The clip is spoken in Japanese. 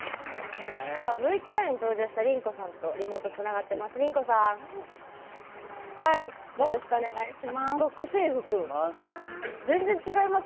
ＶＴＲに登場した、りんこさんとリモート、つながっております。